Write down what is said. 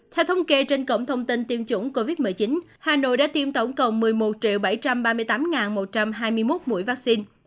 theo thống kê trên cổng thông tin tiêm chủng covid một mươi chín hà nội đã tiêm tổng cộng một mươi một bảy trăm ba mươi tám một trăm hai mươi một mũi vaccine